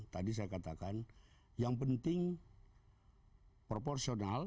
tadi saya katakan yang penting proporsional